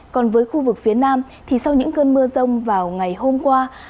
còn với khu vực phía nam thì sau những cơn mưa rông vào ngày hôm qua